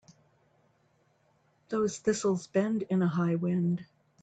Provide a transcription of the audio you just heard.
Those thistles bend in a high wind.